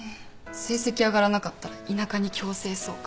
成績上がらなかったら田舎に強制送還。